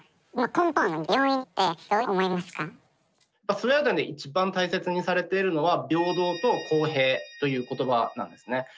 スウェーデンで一番大切にされているのは平等と公平という言葉なんですね。